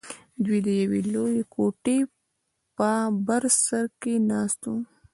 دوى د يوې لويې کوټې په بر سر کښې ناست وو.